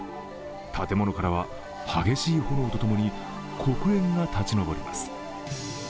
建物からは激しい炎とともに黒煙が立ち上ります。